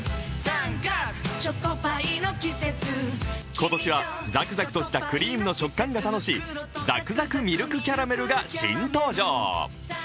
今年はザクザクとしたクリームの食感が楽しいザクザクミルクキャラメルが新登場。